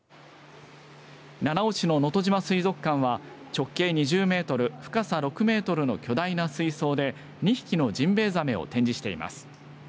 七尾市の、のとじま水族館は直径２０メートル深さ６メートルの巨大な水槽で２匹のジンベエザメを展示しています。